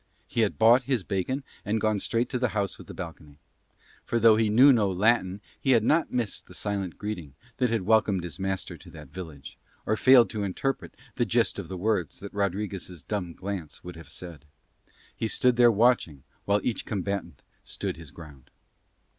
He had bought his bacon and gone straight to the house with the balcony. For though he knew no Latin he had not missed the silent greeting that had welcomed his master to that village, or failed to interpret the gist of the words that Rodriguez' dumb glance would have said. He stood there watching while each combatant stood his ground.